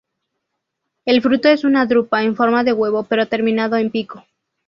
El fruto es una drupa en forma de huevo pero terminado en pico.